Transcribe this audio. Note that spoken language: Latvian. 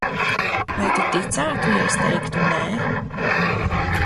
"Vai tu ticētu, ja es teiktu "nē"?"